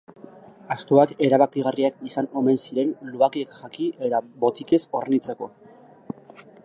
Astoak erabakigarriak izan omen ziren lubakiak jaki eta botikez hornitzeko.